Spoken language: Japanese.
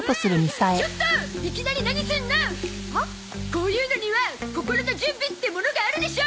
こういうのには心の準備ってものがあるでしょ！